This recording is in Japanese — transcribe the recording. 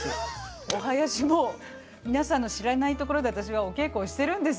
お囃子も皆さんの知らないところで私はお稽古をしてるんですよ。